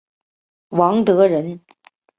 王德人。